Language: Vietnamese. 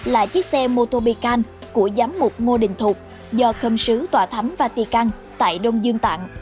là chiếc xe motobican của giám mục ngô đình thục do khâm sứ tòa thắm vatican tại đông dương tặng